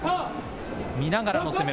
見ながらの攻め。